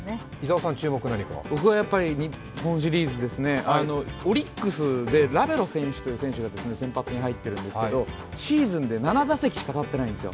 僕は日本シリーズですね、オリックスでラベロ選手という選手が先発に立ってるんですけどシーズンで７打席しか立ってないんですよ。